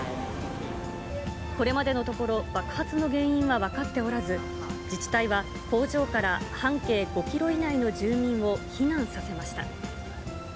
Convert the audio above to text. これまでのところ、爆発の原因は分かっておらず、自治体は工場から半径５キロ以内の住民を避難させました。